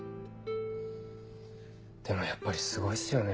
でもやっぱりすごいっすよね